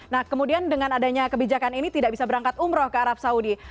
nah kemudian dengan adanya kebijakan ini tidak bisa berangkat umroh ke arab saudi